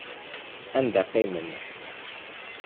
Anda qqimen?